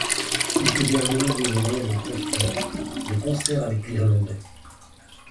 Il devait organiser les moyens de transport de concert avec l’Irlandais.